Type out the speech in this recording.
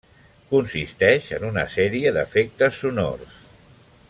Consisteix en una sèrie d'efectes sonors.